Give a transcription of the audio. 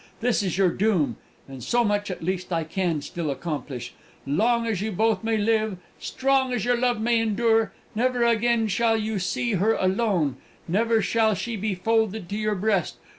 This is your doom, and so much at least I can still accomplish: Long as you both may live, strong as your love may endure, never again shall you see her alone, never more shall she be folded to your breast!